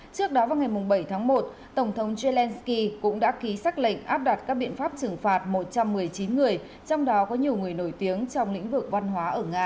trước đó vào ngày bảy tháng một tổng thống zelensky cũng đã ký xác lệnh áp đặt các biện pháp trừng phạt một trăm một mươi chín người trong đó có nhiều người nổi tiếng trong lĩnh vực văn hóa ở nga